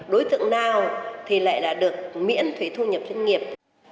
đối tượng nào thì lại là được miễn thuế thu nhập doanh nghiệp